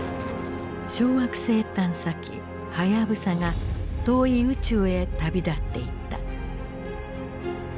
小惑星探査機はやぶさが遠い宇宙へ旅立っていった。